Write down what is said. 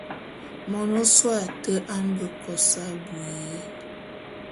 Mon ôsôé ate a mbe kos abui.